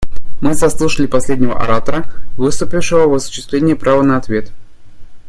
Мы заслушали последнего оратора, выступившего в осуществление права на ответ.